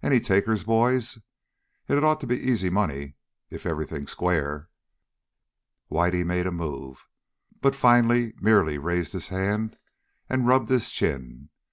Any takers, boys? It had ought to be easy money if everything's square." Whitey made a move, but finally merely raised his hand and rubbed his chin.